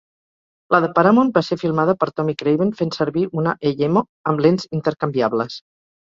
La de Paramount va ser filmada per Tommy Craven fent servir una Eyemo amb lents intercanviables.